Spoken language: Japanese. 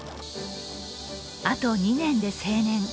あと２年で成年。